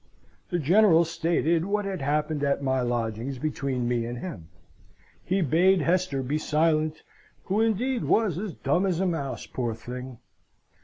The General stated what had happened at my lodgings between me and him. He bade Hester be silent, who indeed was as dumb as a mouse, poor thing!